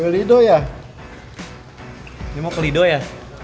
beli doya ini mau ke lido ya